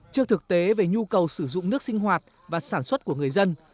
trước thực tế về nhu cầu sử dụng nước sinh hoạt và sản xuất của người dân